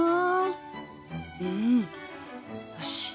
うんよし！